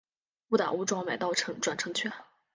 误打误撞买到转乘券